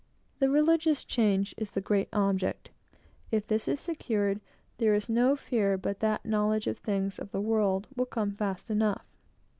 The religious change is the great object. If this is secured, there is no fear but that knowledge of things of the world will come in fast enough.